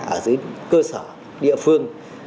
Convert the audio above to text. ở dưới cơ sở địa phương